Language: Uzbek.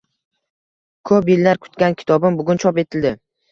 Ko’p yillar kutgan kitobim bugun chop etildi.